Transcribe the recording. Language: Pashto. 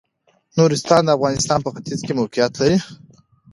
نورستان د افغانستان په ختيځ کې موقيعت لري.